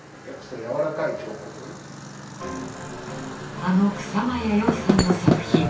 あの草間彌生さんの作品。